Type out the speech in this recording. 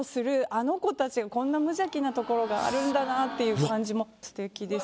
こんな無邪気なところがあるんだなっていう感じもすてきです。